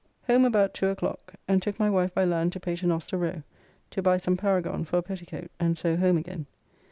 Home about two o'clock, and took my wife by land to Paternoster Row, to buy some Paragon for a petticoat and so home again.